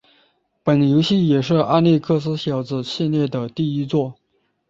本游戏也是阿历克斯小子系列第一作。